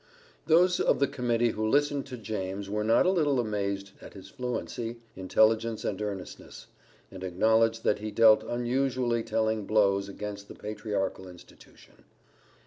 Those of the Committee who listened to James were not a little amazed at his fluency, intelligence and earnestness, and acknowledged that he dealt unusually telling blows against the Patriarchal Institution.